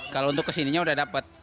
kalau untuk kesininya udah dapet